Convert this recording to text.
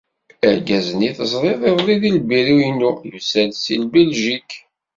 Argaz-nni teẓriḍ iḍelli deg lbiru-inu yusa-d seg Biljik.